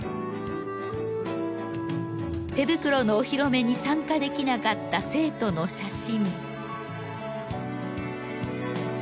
手袋のお披露目に参加できなかった生徒の写真。